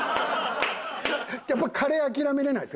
やっぱカレー諦められないですか？